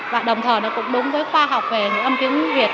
và đồng thời nó cũng đúng với khoa học về những âm tiếng việt